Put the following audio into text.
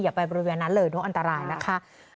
ไปบริเวณนั้นเลยเพราะอันตรายนะคะ